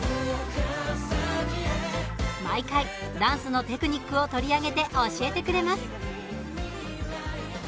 毎回、ダンスのテクニックを取り上げて教えてくれます。